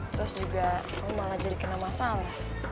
terus juga malah jadi kena masalah